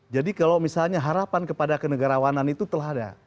jadi kalau misalnya harapan kepada kenegarawanan itu telah ada